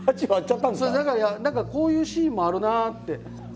何かこういうシーンもあるなって。